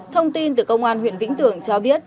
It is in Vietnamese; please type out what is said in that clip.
thông tin từ công an huyện vĩnh tường cho biết